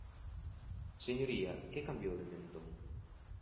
Señoría, ¿que cambiou dende entón?